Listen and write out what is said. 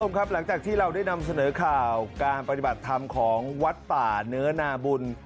คุณผู้ชมครับหลังจากที่เราได้นำเสนอข่าวการปฏิบัติธรรมของวัดป่าเนื้อนาบุญ